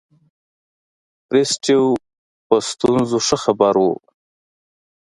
بریسټو په ستونزو ښه خبر وو.